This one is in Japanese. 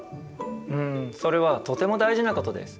うんそれはとても大事なことです。